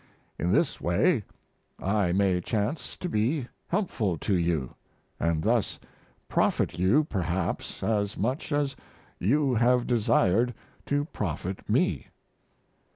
In this way I may chance to be helpful to you, & thus profit you perhaps as much as you have desired to profit me.